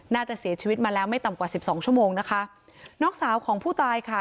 น่าจะเสียชีวิตมาแล้วไม่ต่ำกว่าสิบสองชั่วโมงนะคะน้องสาวของผู้ตายค่ะ